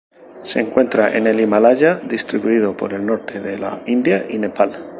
Se encuentra en el Himalaya distribuido por el norte de la India y Nepal.